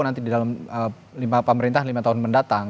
nanti di dalam pemerintahan lima tahun mendatang